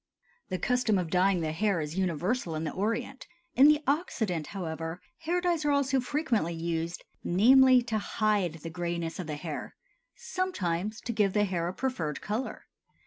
The custom of dyeing the hair is universal in the Orient; in the Occident, however, hair dyes are also frequently used, namely, to hide the grayness of the hair, sometimes to give the hair a preferred color.